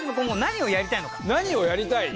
何をやりたい？